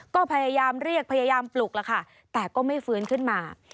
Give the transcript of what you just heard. ก็พยายามเรียกพยายามปลุกแล้วค่ะแต่ก็ไม่ฟื้นขึ้นมา